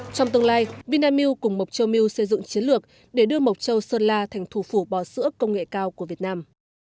trong tương lai vinamilk cùng mộc châu milk xây dựng chiến lược để đưa mộc châu sơn la thành thủ phủ bò sữa công nghệ cao của việt nam